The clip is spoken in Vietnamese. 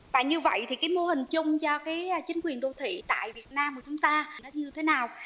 và như vậy mô hình chung cho chính quyền đô thị tại việt nam của chúng ta như thế nào